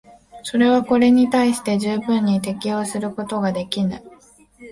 それはこれに対して十分に適応することができぬ。